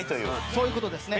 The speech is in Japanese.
そういうことですね。